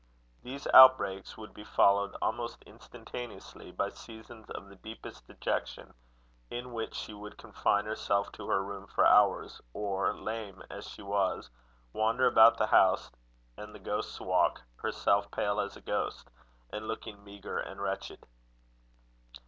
These outbreaks would be followed almost instantaneously by seasons of the deepest dejection, in which she would confine herself to her room for hours, or, lame as she was, wander about the house and the Ghost's Walk, herself pale as a ghost, and looking meagre and wretched.